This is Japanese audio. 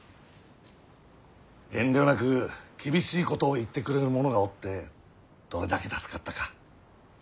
遠慮なく厳しいことを言ってくれる者がおってどれだけ助かったか。